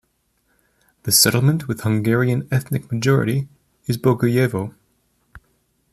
The settlement with Hungarian ethnic majority is Bogojevo.